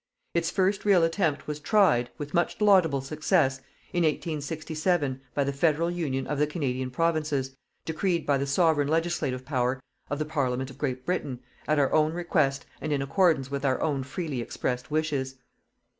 Its first real attempt was tried with much laudable success in 1867, by the federal union of the Canadian provinces, decreed by the Sovereign legislative power of the Parliament of Great Britain, at our own request and in accordance with our own freely expressed wishes.